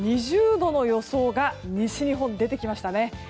２０度の予想が西日本、出てきました。